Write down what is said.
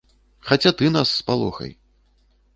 Хаця ты нас спалохай.